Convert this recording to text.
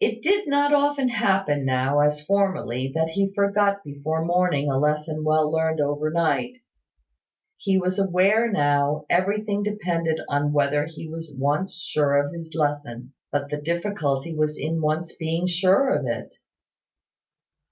It did not often happen now, as formerly, that he forgot before morning a lesson well learned over night. He was aware that now everything depended on whether he was once sure of his lesson; but the difficulty was in once being sure of it.